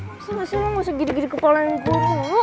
masa gak sih lo gak usah gidik gidik kepalan gue dulu